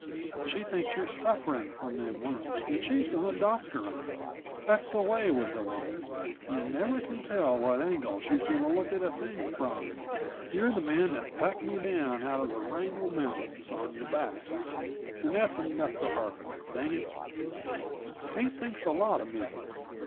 She thinks you're sufferin' from them wounds and she's going to doctor 'em. That's the way with a woman you never can tell what angle she's going to look at a thing from. You're the man that packed me down out of the Wrangel mountains on your back, and that's enough for her dang it, Kate thinks a lot of me!